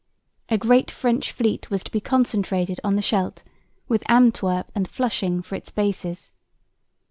A great French fleet was to be concentrated on the Scheldt, with Antwerp and Flushing for its bases.